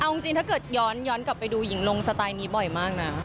เอาจริงถ้าเกิดย้อนกลับไปดูหญิงลงสไตล์นี้บ่อยมากนะ